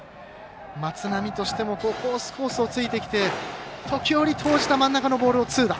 松波としてもコースをついてきて時折投じた真ん中のボールを痛打。